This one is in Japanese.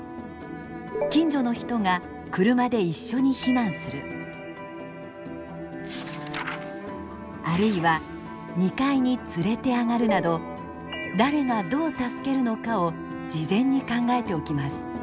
近所の人が車で一緒に避難するあるいは２階に連れて上がるなど誰がどう助けるのかを事前に考えておきます。